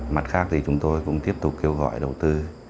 mặt khác thì chúng tôi cũng tiếp tục kêu gọi đầu tư